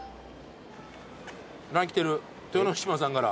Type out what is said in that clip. ＬＩＮＥ来てる、豊ノ島さんから。